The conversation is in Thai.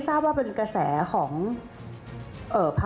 ก็พูดเสียงดังฐานชินวัฒน์